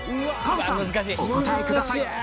菅さんお答えください。